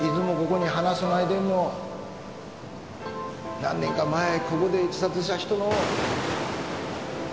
何年か前ここで自殺した人の。